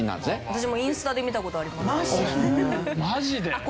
私もインスタで見た事あります。